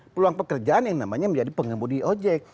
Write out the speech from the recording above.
peluang pekerjaan yang namanya menjadi pengemudi ojek